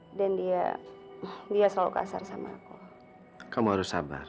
hai dan dia dia selalu kasar sama aku kamu harus sabar